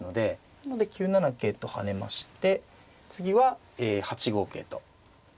なので９七桂と跳ねまして次は８五桂と跳ねます。